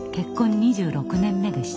２６年目でした。